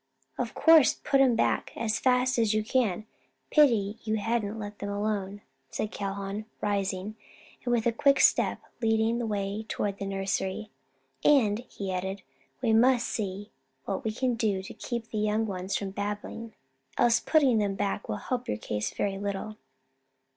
"Of course put them back as fast as you can; pity you hadn't let them alone," said Calhoun, rising and with a quick step leading the way toward the nursery, "and," he added, "we must see what we can do to keep the young ones from blabbing; else putting them back will help your case very little."